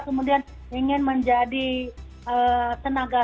kemudian ingin menjadi tenaga